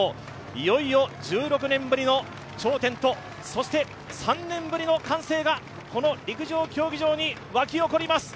いよいよ１６年ぶりの頂点と、３年ぶりの歓声がこの陸上競技場に湧き起こります。